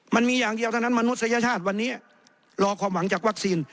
มันมีอย่างเดียวเท่านั้นมนุษยชาติวันนี้รอความหวังจากวัคซีน